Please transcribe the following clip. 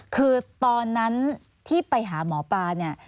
คือตอนนั้นที่ไปหาหมอปลาเนี่ย